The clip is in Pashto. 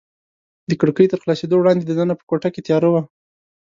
د کړکۍ تر خلاصېدو وړاندې دننه په کوټه کې تیاره وه.